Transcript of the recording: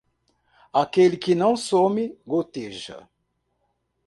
Aquele que não some, goteja.